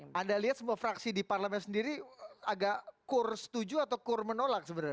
anda lihat semua fraksi di parlemen sendiri agak kur setuju atau kur menolak sebenarnya